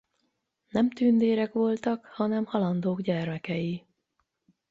Nem tündérek voltak, hanem halandók gyermekei.